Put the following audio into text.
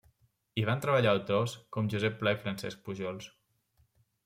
Hi van treballar autors com Josep Pla i Francesc Pujols.